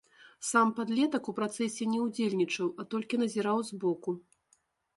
Сам падлетак у працэсе не ўдзельнічаў, а толькі назіраў збоку.